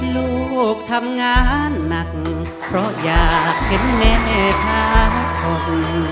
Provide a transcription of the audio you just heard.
ลูกทำงานนั้นเพราะอยากเห็นแม่ขาดฝน